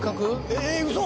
ええウソ！